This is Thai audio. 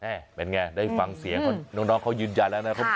แน่เป็นไงได้ฟังเสียงคนน้องเขายืนยันแล้วนะ